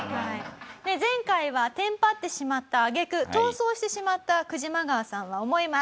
前回はテンパってしまった揚げ句逃走してしまったクジマガワさんは思います。